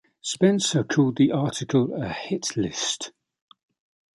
Spencer called the article a "hit list".